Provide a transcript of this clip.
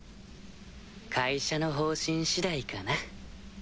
会社の方針しだいかな。